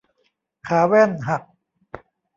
ขาแว่นหัก